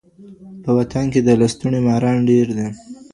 په وطن کي د لستوڼي ماران ډیر دي